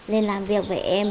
lên làm việc với em